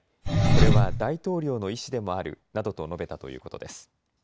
これは大統領の意思でもあるなどと述べたということです。